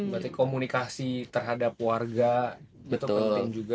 berarti komunikasi terhadap warga itu penting juga